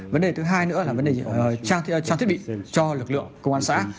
vấn đề thứ hai nữa là vấn đề trang thiết bị cho lực lượng công an xã